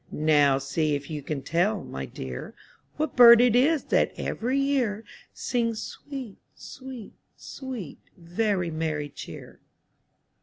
Now see if you can tell, my dear, What bird it is that, every year. Sings * 'Sweet — sweet — sweet — very merry cheer."